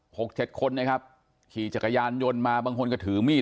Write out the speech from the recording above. หกเจ็ดคนนะครับขี่จักรยานยนต์มาบางคนก็ถือมีด